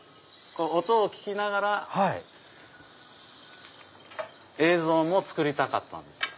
音を聞きながら映像も作りたかったんです。